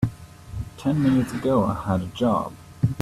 Ten minutes ago I had a job.